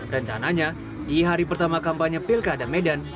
rencananya di hari pertama kampanye pilkada medan